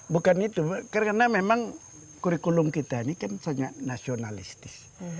bukan itu karena memang kurikulum kita ini kan sangat nasionalistis